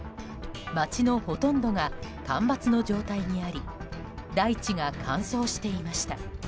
街のほとんどが干ばつの状態にあり大地が乾燥していました。